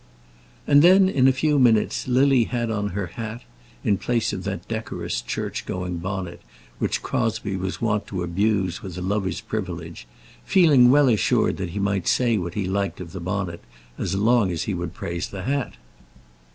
And then in a few minutes Lily had on her hat, in place of that decorous, church going bonnet which Crosbie was wont to abuse with a lover's privilege, feeling well assured that he might say what he liked of the bonnet as long as he would praise the hat.